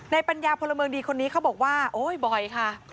ปัญญาพลเมืองดีคนนี้เขาบอกว่าโอ๊ยบ่อยค่ะ